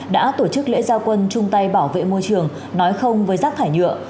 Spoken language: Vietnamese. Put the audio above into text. đã tổ chức lễ gia quân chung tay bảo vệ môi trường nói không với rác thải nhựa